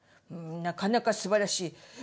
なかなかすばらしい。